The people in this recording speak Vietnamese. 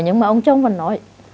nhưng mà ông chồng vẫn nói